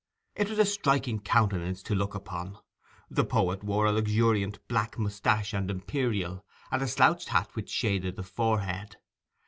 It was a striking countenance to look upon. The poet wore a luxuriant black moustache and imperial, and a slouched hat which shaded the forehead.